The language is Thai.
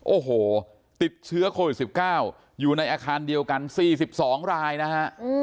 โอ้โหติดเชื้อโควิด๑๙อยู่ในอาคารเดียวกัน๔๒รายนะฮะ